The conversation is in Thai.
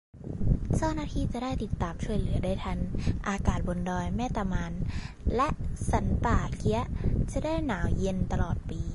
เจ้าหน้าที่จะได้ติดตามช่วยเหลือได้ทัน อากาศบนดอยแม่ตะมานและสันป่าเกี๊ยะจะหนาวเย็นตลอดทั้งปี